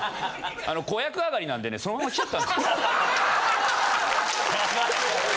子役あがりなんでねそのまま来ちゃったんです。